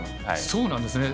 そうなんですね。